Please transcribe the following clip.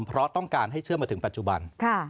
เพราะต้องการให้เชื่อมาถึงปัจจุบัน